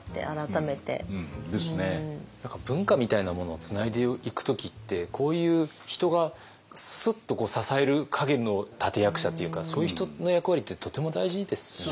何か文化みたいなものをつないでいく時ってこういう人がスッと支える陰の立て役者っていうかそういう人の役割ってとても大事ですよね。